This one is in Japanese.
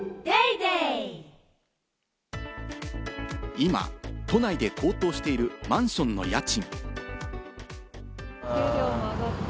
今、都内で高騰しているマンションの家賃。